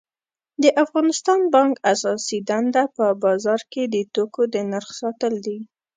د افغانستان بانک اساسی دنده په بازار کی د توکو د نرخ ساتل دي